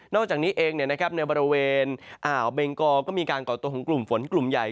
อกจากนี้เองในบริเวณอ่าวเบงกอก็มีการก่อตัวของกลุ่มฝนกลุ่มใหญ่